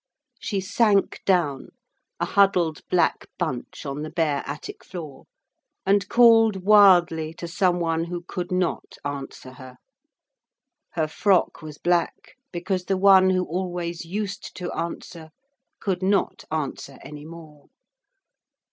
She sank down, a huddled black bunch on the bare attic floor, and called wildly to some one who could not answer her. Her frock was black because the one who always used to answer could not answer any more.